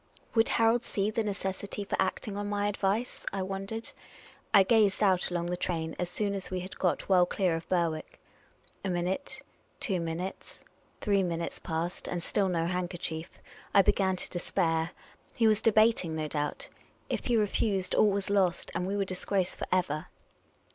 Would Harold see the necessity for acting on my advice ?— I wondered. I gazed out along the train as soon as we had got well clear of Berwick. A min ute — two mi nutes — three minutes passed ; and still no handkerchief. I began to despair. He was debat ing, no doubt. If he re fused, all was lost, and we were disgraced for ever.